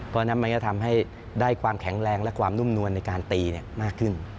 เพราะฉะนั้นมันก็ทำให้ได้ความแข็งแรงและความนุ่มนวลในการตีมากขึ้น